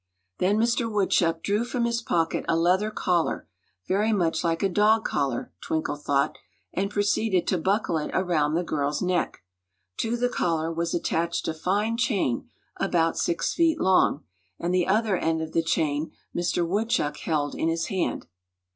Then Mister Woodchuck drew from his pocket a leather collar, very much like a dog collar, Twinkle thought, and proceeded to buckle it around the girl's neck. To the collar was attached a fine chain about six feet long, and the other end of the chain Mister Woodchuck held in his hand.